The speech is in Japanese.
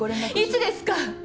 いつですか！？